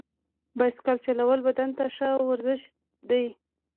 بایسکل چلول بدن ته ښه ورزش دی.